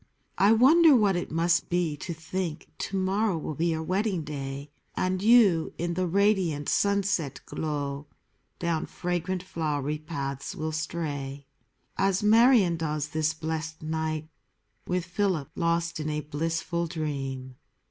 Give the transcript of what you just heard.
I wonder what it must be to think To morrow will be your wedding day, And you, in the radiant sunset glow Down fragrant flowery paths will stray. As Marion does this blessed night, With Philip, lost in a blissful dream.